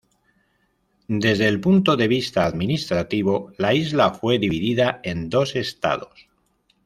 Desde el punto de vista administrativo, la isla fue dividida en dos estados.